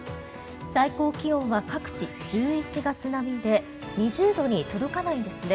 最高気温は各地、１１月並みで２０度に届かないんですね。